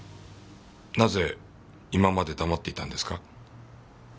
なぜ今まで黙っていたんですか？